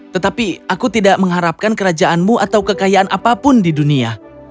tetapi aku tidak mengharapkan kerajaanmu atau kekayaan apapun di dunia